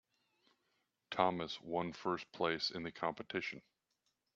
Thomas one first place in the competition.